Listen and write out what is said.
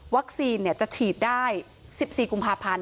วัคซีนจะฉีดได้๑๔กุมภาพันธ์